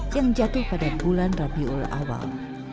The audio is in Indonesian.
yang jatuh pada bulan rabiul awal